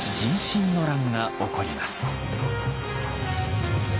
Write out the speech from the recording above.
「壬申の乱」が起こります。